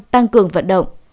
năm tăng cường vận động